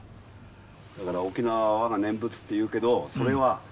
だから「沖縄は我が念仏」って言うけどそれは。